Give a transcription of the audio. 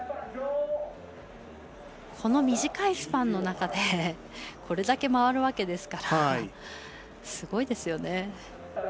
この短いスパンの中でこれだけ回るわけですからすごいですよね。